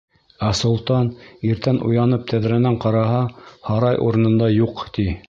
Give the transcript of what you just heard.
Ә солтан иртән уянып тәҙрәнән ҡараһа, һарай урынында юҡ, ти.